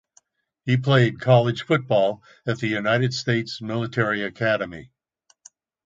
He played college football at the United States Military Academy.